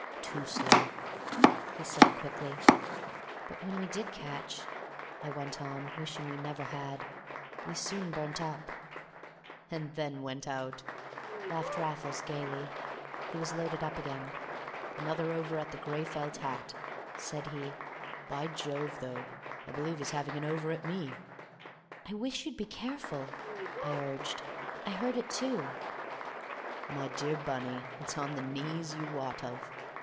"Too slow," he said quickly. "But when we did catch," I went on, wishing we never had, "we soon burnt up." "And then went out," laughed Raffles gayly. He was loaded up again. "Another over at the gray felt hat," said he; "by Jove, though, I believe he's having an over at me!" "I wish you'd be careful," I urged. "I heard it too." "My dear Bunny, it's on the knees you wot of.